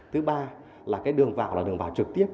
thứ ba là cái đường vào là đường vào trực tiếp